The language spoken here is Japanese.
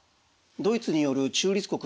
ドイツによる中立国